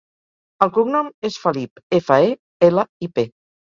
El cognom és Felip: efa, e, ela, i, pe.